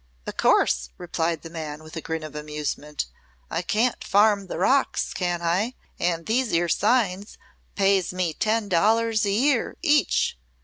"O' course," replied the man, with a grin of amusement. "I can't farm the rocks, can I? An' these 'ere signs pays me ten dollars a year, each."